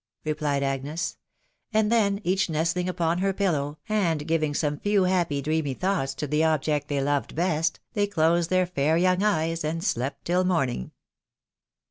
" replied Agnes ; and then each nestling upon her pillow, and giving some few happy dreamy thoughts to the object. they loved best, they closed their fair young eyes, and slept till morning.